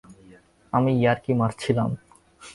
আমি ইয়ার্কি মারছিলাম।